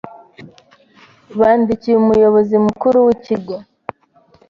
bandikiye Umuyobozi Mukuru w’Ikigo